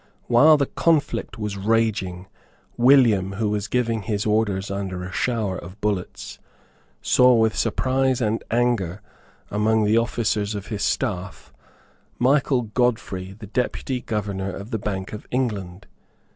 While the conflict was raging, William, who was giving his orders under a shower of bullets, saw with surprise and anger, among the officers of his staff, Michael Godfrey the Deputy Governor of the Bank of England.